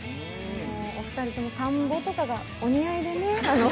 お二人とも田んぼとかがお似合いでね。